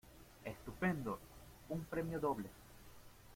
¡ Estupendo, un premio doble!